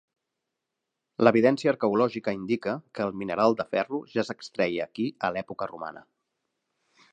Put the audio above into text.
L'evidència arqueològica indica que el mineral de ferro ja s'extreia aquí a l'època romana.